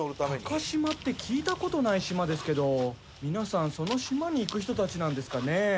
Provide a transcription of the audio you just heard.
高島って聞いた事ない島ですけど皆さんその島に行く人たちなんですかね？